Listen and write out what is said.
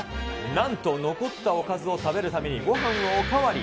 なんと残ったおかずを食べるために、ごはんをお代わり。